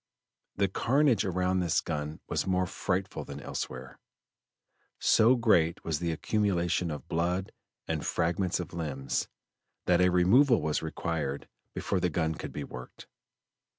The carnage around this gun was more frightful than elsewhere; so great was the accumulation of blood and fragments of limbs, that a removal was required before the gun could be worked.